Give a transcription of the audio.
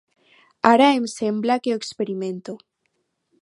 Ara em sembla que ho experimento.